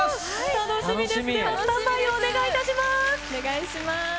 楽しみです。